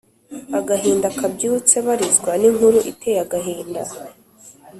agahinda kabyutse barizwa n’inkuru iteye agahinda,